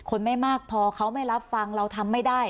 ไม่มากพอเขาไม่รับฟังเราทำไม่ได้